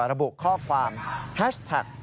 ระบุข้อความแฮชแท็ก